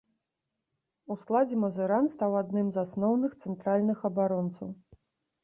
У складзе мазыран стаў адным з асноўных цэнтральных абаронцаў.